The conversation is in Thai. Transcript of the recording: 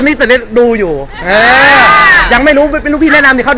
เดิมเลยครับพี่ตอนนี้สามสิบผมทำงานครับอ่า